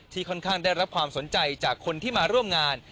ค่อนข้างได้รับความสนใจจากคนที่มาร่วมงาน